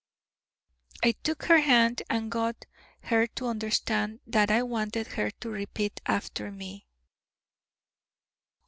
'" I took her hand, and got her to understand that I wanted her to repeat after me.